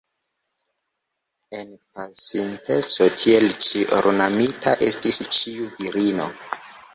En pasinteco tiel ĉi ornamita estis ĉiu virino.